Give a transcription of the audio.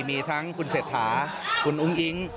มีทั้งคุณเศรษฐาคุณอุ้งอิ๊ง